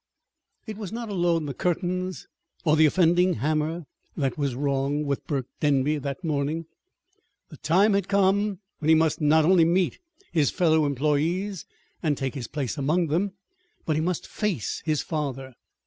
It was not alone the curtains or the offending hammer that was wrong with Burke Denby that morning. The time had come when he must not only meet his fellow employees, and take his place among them, but he must face his father.